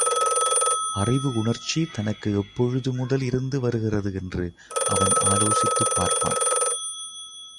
அறிவு உணர்ச்சி தனக்கு எப்பொழுது முதல் இருந்து வருகிறது என்று அவன் ஆலோசித்துப் பார்ப்பான்.